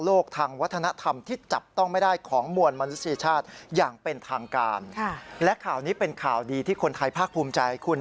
โอ้โหก็รู้สึกดีใจค่ะ